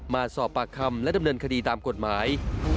มาสอบปากคำและดำเนินคดีตามกฎหมาย